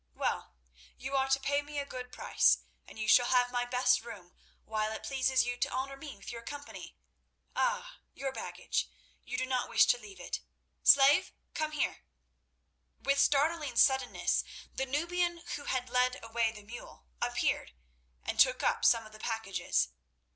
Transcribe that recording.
Well, you are to pay me a good price, and you shall have my best room while it pleases you to honour me with your company. Ah! your baggage. You do not wish to leave it. Slave, come here." With startling suddenness the Nubian who had led away the mule appeared, and took up some of the packages.